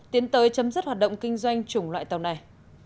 tiến tới chấm dứt hoạt động kinh doanh chủng loại tàu này